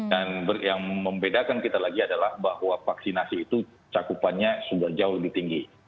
dan yang membedakan kita lagi adalah bahwa vaksinasi itu cakupannya sudah jauh lebih tinggi